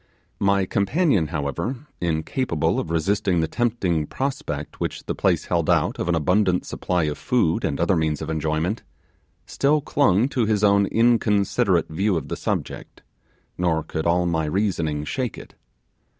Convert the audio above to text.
My companion, however, incapable of resisting the tempting prospect which the place held out of an abundant supply of food and other means of enjoyment, still clung to his own inconsiderate view of the subject, nor could all my reasoning shake it.